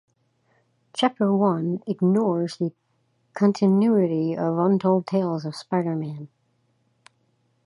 "Chapter One" ignores the continuity of "Untold Tales of Spider-Man".